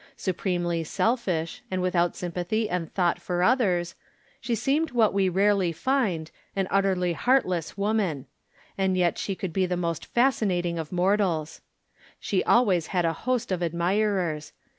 Supremely selfish, and vtdthout sympathy and thought for others, she seemed what we rarely find, an utterly heartless woman ; and yet she could be the most From Different Standpoints. 181 fascinating of mortals. She always had a host of admirers.